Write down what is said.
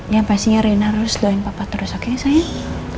ya pastinya rena harus doain papa terus oke sayang